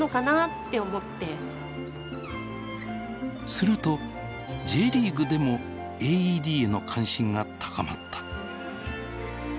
するとＪリーグでもＡＥＤへの関心が高まった。